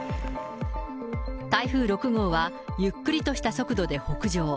台風６号は、ゆっくりとした速度で北上。